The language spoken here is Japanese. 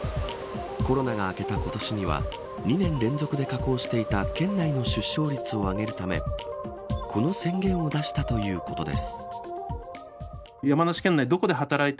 コロナが明けた今年には２年連続で下降していた県内の出生率を上げるためこの宣言を出したということです。